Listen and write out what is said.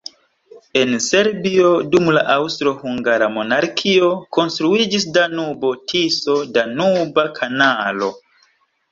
En Serbio dum la Aŭstro-Hungara Monarkio konstruiĝis Danubo-Tiso-Danuba Kanalo.